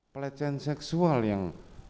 plecehan seksual yang